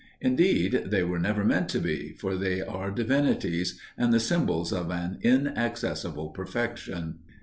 Indeed, they were never meant to be, for they are divinities, and the symbols of an inaccessible perfection.